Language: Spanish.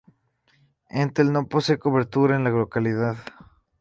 Entel no posee cobertura en la localidad.